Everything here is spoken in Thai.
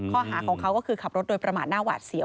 ข้อหาของเขาก็คือขับรถโดยประมาทหน้าหวาดเสียว